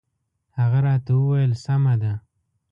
هغه راته وویل سمه ده.